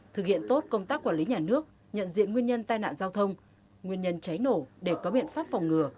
thực hiện tốt công tác quản lý nhà nước nhận diện nguyên nhân tai nạn giao thông nguyên nhân cháy nổ để có biện pháp phòng ngừa